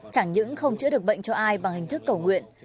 chẳng những không chữa được bệnh cho ai bằng hình thức cầu nguyện